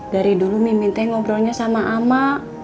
dari dulu mimin teh ngobrolnya sama ama